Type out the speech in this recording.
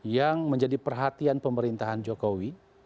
yang menjadi perhatian pemerintahan jokowi